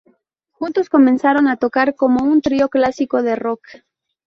Juntos comenzaron a tocar como un trío clásico de rock.